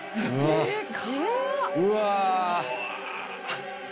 うわ。